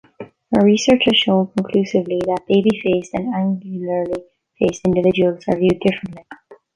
Her research has shown conclusively that babyfaced and angularly faced individuals are viewed differently.